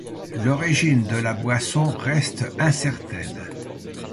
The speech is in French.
L’origine de la boisson reste incertaine.